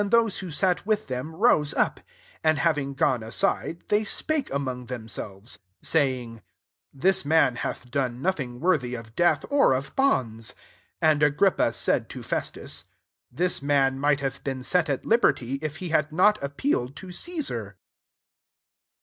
* those who sat with them, rose up ; 31 and having gone aside^ they spake among Uiemselret, * i. e. the Jewr. ACTS XXVII. 24r ^ying, This man hath done nothing worthy of death, or of bonds." 32 And Agrippa said to Festus, "This man might bssfe been set at liberty, if he bad not appealed to Caesar.'